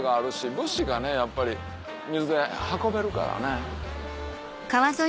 物資がねやっぱり水で運べるからね。